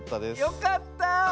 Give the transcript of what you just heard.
よかった。